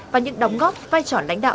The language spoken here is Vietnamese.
và những đóng góp vai trò lãnh đạo